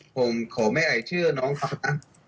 ผมขอไม่อายเชื่อน้องเขานะ